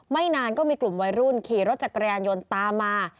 นานก็มีกลุ่มวัยรุ่นขี่รถจักรยานยนต์ตามมา